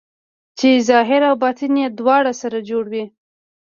چې ظاهر او باطن یې دواړه سره جوړ وي.